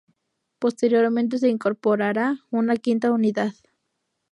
Posteriormente se incorporará una quinta unidad.